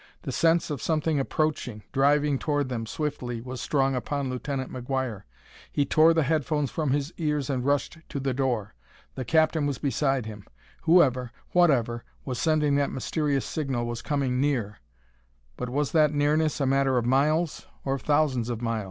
The sense of something approaching, driving toward them swiftly, was strong upon Lieutenant McGuire. He tore the head phones from his ears and rushed to the door. The captain was beside him. Whoever whatever was sending that mysterious signal was coming near but was that nearness a matter of miles or of thousands of miles?